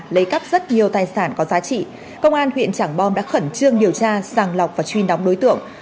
lấy cắp rất nhiều tài sản có giá trị công an huyện trảng bom đã khẩn trương điều tra sàng lọc và truy đóng đối tượng